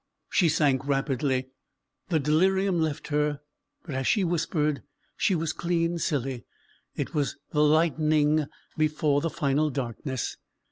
She sank rapidly: the delirium left her; but as, she whispered, she was "clean silly;" it was the lightening before the final darkness.